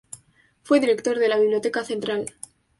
Fue director de la Biblioteca Central.